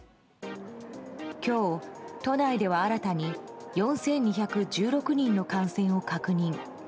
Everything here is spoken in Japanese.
今日、都内では新たに４２１６人の感染を確認。